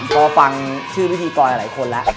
พอฟังชื่อพิธีกรหลายคนแล้ว